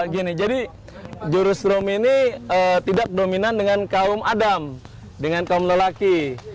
gini jadi jurustrum ini tidak dominan dengan kaum adam dengan kaum lelaki